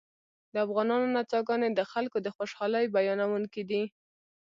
د افغانانو نڅاګانې د خلکو د خوشحالۍ بیانوونکې دي